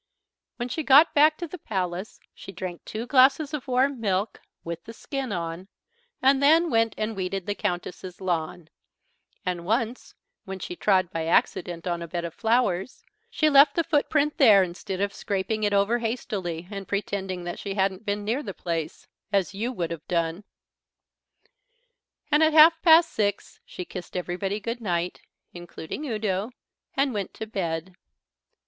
When she got back to the Palace she drank two glasses of warm milk, with the skin on, and then went and weeded the Countess's lawn; and once when she trod by accident on a bed of flowers, she left the footprint there instead of scraping it over hastily, and pretending that she hadn't been near the place, as you would have done. And at half past six she kissed everybody good night (including Udo) and went to bed.